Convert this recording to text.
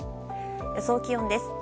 予想気温です。